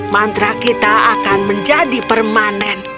mantra kita akan menjadi permanen